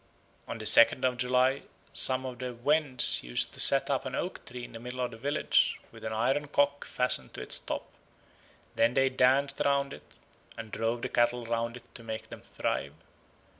On the second of July some of the Wends used to set up an oak tree in the middle of the village with an iron cock fastened to its top; then they danced round it, and drove the cattle round it to make them thrive.